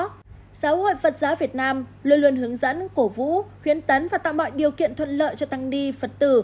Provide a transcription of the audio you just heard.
giáo hội phật giáo việt nam luôn luôn hướng dẫn cổ vũ khuyến tấn và tạo mọi điều kiện thuận lợi cho tăng đi phật tử